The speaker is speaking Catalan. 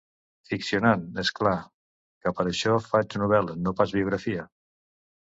Ficcionant, és clar, que per això faig novel·la, no pas biografia.